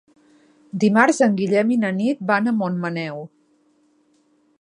Dimarts en Guillem i na Nit van a Montmaneu.